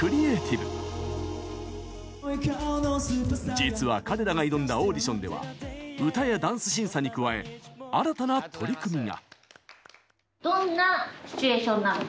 実は、彼らが挑んだオーディションでは歌やダンス審査に加え新たな取り組みが！